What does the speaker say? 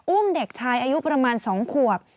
เด็กชายอายุประมาณ๒ขวบ